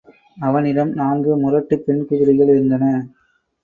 அவனிடம் நான்கு முரட்டுப் பெண் குதிரைகள் இருந்தன.